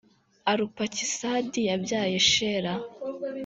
arupakisadi yabyaye shela.